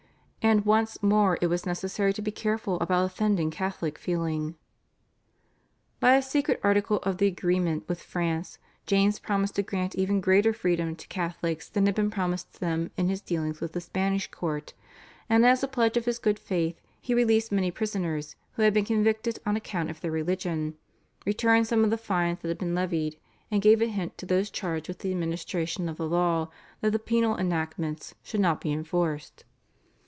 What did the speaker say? and once more it was necessary to be careful about offending Catholic feeling. By a secret article of the agreement with France James promised to grant even greater freedom to Catholics than had been promised them in his dealings with the Spanish court, and as a pledge of his good faith he released many prisoners who had been convicted on account of their religion, returned some of the fines that had been levied, and gave a hint to those charged with the administration of the law that the penal enactments should not be enforced.